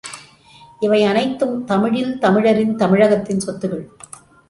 இவை அனைத்தும் தமிழில், தமிழரின், தமிழகத்தின் சொத்துக்கள்.